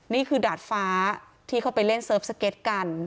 นี่คือดาดฟ้าที่เขาไปเล่นเซิร์ฟสเก็ตกัน